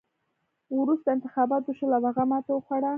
وروسته انتخابات وشول او هغه ماتې وخوړه.